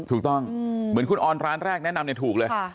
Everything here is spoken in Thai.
ถูกต้องเหมือนคุณออนร้านแรกแนะนำเนี่ยถูกเลย